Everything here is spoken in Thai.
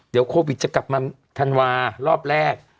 เดี๋ยวโควิดจะกลับมาธันวารอบแรก